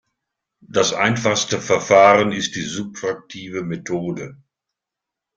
Das einfachste Verfahren ist die subtraktive Methode.